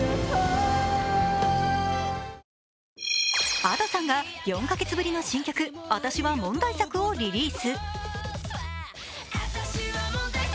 Ａｄｏさんが４か月ぶりの新曲、「アタシは問題作」をリリース。